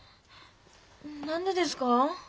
何でですか？